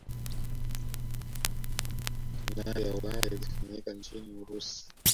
fainali ya ulaya ilifanyika nchini urusi